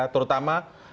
terutama di ayat tiga